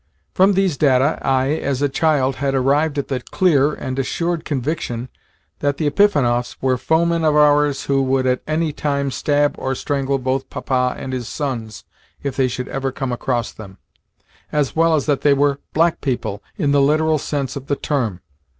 From these data I, as a child, had arrived at the clear and assured conviction that the Epifanovs were foemen of ours who would at any time stab or strangle both Papa and his sons if they should ever come across them, as well as that they were "black people", in the literal sense of the term.